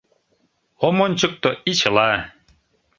— Ом ончыкто, и чыла.